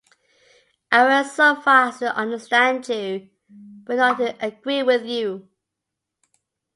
I went so far as to understand you, but not to agree with you.